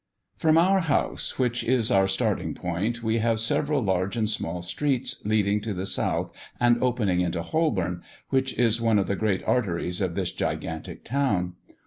From our house, which is our starting point, we have several large and small streets leading to the south and opening into Holborn, which is one of the great arteries of this gigantic town.